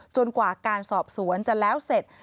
กว่าการสอบสวนจะแล้วเสร็จ